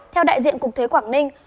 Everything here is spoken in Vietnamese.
theo đại diện cục thuế quảng ninh